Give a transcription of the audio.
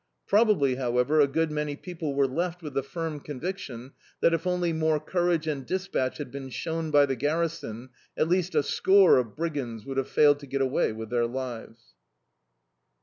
Probably, however, a good many people were left with the firm conviction that, if only more courage and despatch had been shown by the garrison, at least a score of brigands would have failed to get away with their lives.